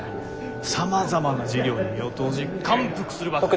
さまざまな事業に身を投じ感服するばかり。